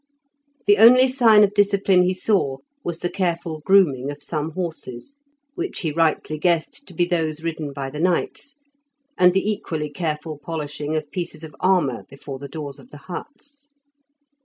The only sign of discipline he saw was the careful grooming of some horses, which he rightly guessed to be those ridden by the knights, and the equally careful polishing of pieces of armour before the doors of the huts.